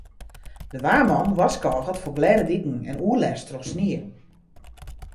De waarman warskôget foar glêde diken en oerlêst troch snie.